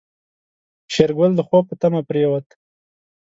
شېرګل د خوب په تمه پرېوت.